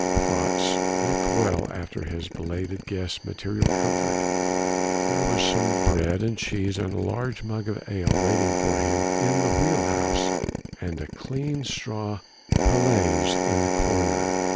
Patz looked well after his belated guest's material comfort. There was some bread and cheese and a large mug of ale waiting for him in the wheel house and a clean straw paillasse in a corner.